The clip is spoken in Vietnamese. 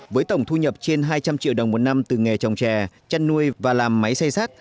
với tổng thu nhập trên hai trăm linh triệu đồng một năm từ nghề trồng trè chăn nuôi và làm máy xây sát